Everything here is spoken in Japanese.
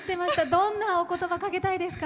どんなお言葉をかけたいですか？